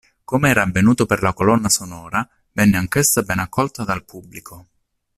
Come era avvenuto per la colonna sonora venne anch'essa ben accolta dal pubblico.